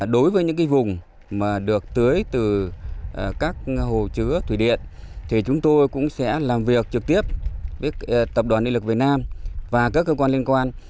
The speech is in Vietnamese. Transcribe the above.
đối với những vùng mà được tưới từ các hồ chứa thủy điện thì chúng tôi cũng sẽ làm việc trực tiếp với tập đoàn nghị lực việt nam và các cơ quan liên quan